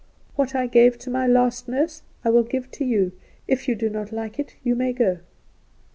"What I gave to my last nurse I will give to you; if you do not like it you may go."